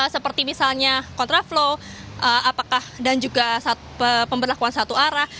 seperti misalnya kontraflow apakah dan juga pemberlakuan satu arah